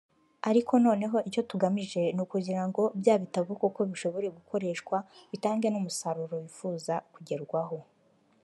Ariko noneho icyo tugamije ni ukugira ngo bya bitabo koko bishobore gukoreshwa bitange n’umusaruro wifuza kugerwaho